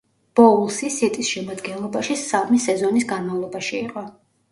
ბოულსი „სიტის“ შემადგენლობაში სამი სეზონის განმავლობაში იყო.